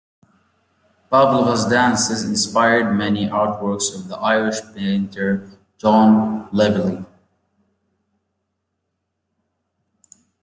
Pavlova's dances inspired many artworks of the Irish painter John Lavery.